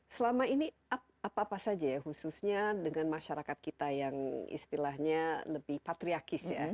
selama ini apa apa saja ya khususnya dengan masyarakat kita yang istilahnya lebih patriarkis ya